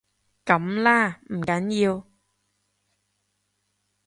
噉啦，唔緊要